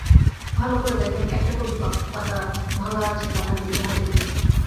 ভালো করে দেখেন, একটা কচুর পাতা ভাঙা আছে, পাতার নিচে হাত দিন।